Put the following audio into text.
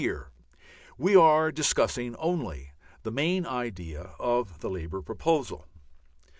Here we are discussing only the main idea of the Labour proposal.